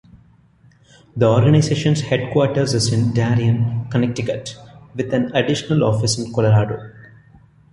The organization's headquarters is in Darien, Connecticut, with an additional office in Colorado.